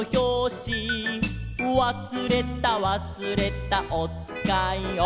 「わすれたわすれたおつかいを」